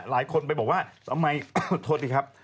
หลายคนไปบอกว่าทำไมอดทนดิครับ